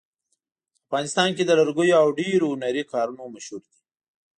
افغانستان کې د لرګیو او ډبرو هنري کارونه مشهور دي